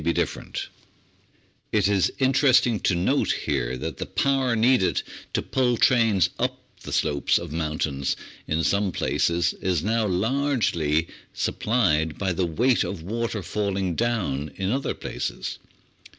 Applied Science 809 It is interesting to note here that the power needed to pull trains up the slopes of mountains in some places is now so largely supplied by the weight of water falling down in other places.